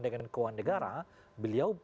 dengan keuangan negara beliau